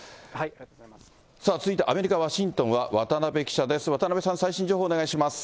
さあ、続いてアメリカ・ワシントンは渡邊記者です。